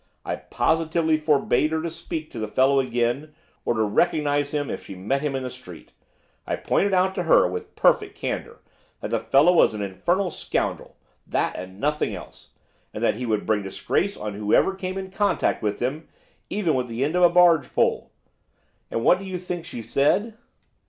I positively forbade her to speak to the fellow again, or to recognise him if she met him in the street. I pointed out to her, with perfect candour, that the fellow was an infernal scoundrel, that and nothing else! and that he would bring disgrace on whoever came into contact with him, even with the end of a barge pole. And what do you think she said?